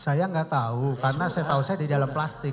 saya nggak tahu karena saya tahu saya di dalam plastik